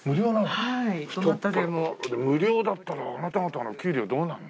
無料だったらあなた方の給料どうなるの？